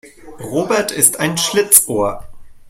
Robert ist ein Schlitzohr.